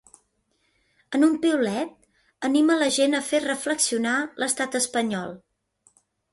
En un piulet, anima la gent a fer ‘reflexionar’ l’estat espanyol.